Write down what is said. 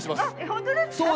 本当ですか！？